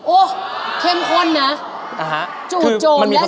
โอ๊ะเข้มข้นนะจูจมและสันติภาพ